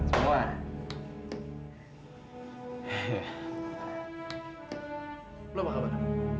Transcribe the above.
belum apa kabar